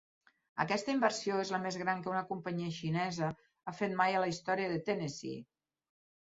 Aquesta inversió és la més gran que una companyia xinesa ha fet mai a la història de Tennessee.